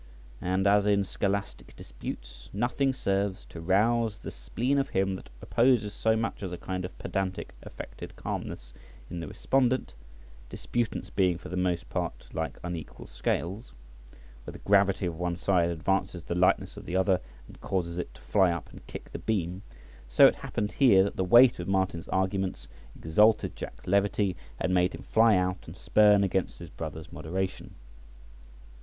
And as in scholastic disputes nothing serves to rouse the spleen of him that opposes so much as a kind of pedantic affected calmness in the respondent, disputants being for the most part like unequal scales, where the gravity of one side advances the lightness of the other, and causes it to fly up and kick the beam; so it happened here that the weight of Martin's arguments exalted Jack's levity, and made him fly out and spurn against his brother's moderation.